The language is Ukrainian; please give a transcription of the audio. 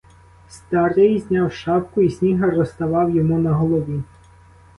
Старий зняв шапку, і сніг розтавав йому на голові.